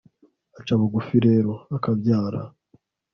aca bugufi rero, akabyara